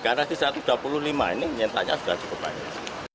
karena ini satu ratus dua puluh lima ini nyetaknya sudah cukup banyak